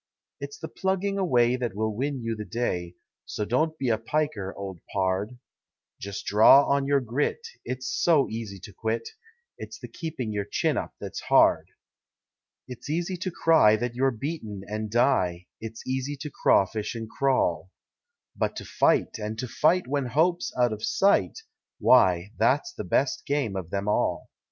It's the plugging away that will win you the day, So don't be a piker, old pard; Just draw on your grit; it's so easy to quit It's the keeping your chin up that's hard. It's easy to cry that you're beaten and die, It's easy to crawfish and crawl, But to fight and to fight when hope's out of sight, Why, that's the best game of them all.